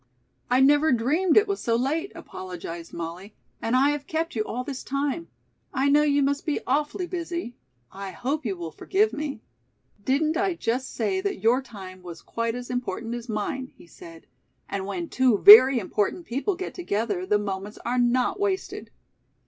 "I never dreamed it was so late," apologized Molly, "and I have kept you all this time. I know you must be awfully busy. I hope you will forgive me." "Didn't I just say that your time was quite as important as mine?" he said. "And when two very important people get together the moments are not wasted."